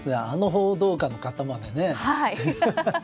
あの報道官の方までね。